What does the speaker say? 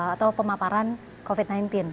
atau pemaparan covid sembilan belas